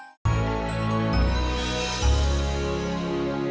yang kebaikan oyun aaya yang ketemu denganling di seberang kabin dato'